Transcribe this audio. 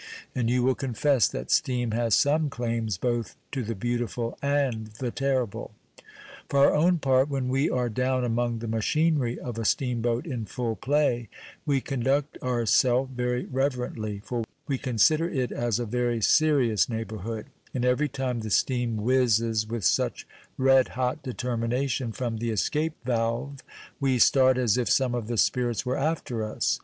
and you will confess that steam has some claims both to the beautiful and the terrible. For our own part, when we are down among the machinery of a steamboat in full play, we conduct ourself very reverently, for we consider it as a very serious neighborhood; and every time the steam whizzes with such red hot determination from the escape valve, we start as if some of the spirits were after us.